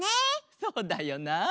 そうだよな。